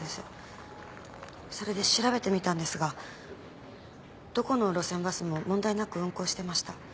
それで調べてみたんですがどこの路線バスも問題なく運行してました。